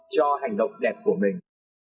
cho hành động đẹp của mình